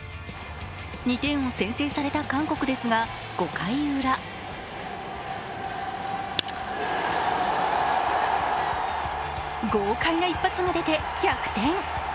２点を先制された韓国ですが、５回ウラ豪快な一発が出て逆転。